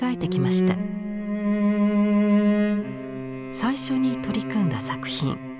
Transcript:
最初に取り組んだ作品。